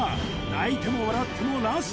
泣いても笑ってもラスト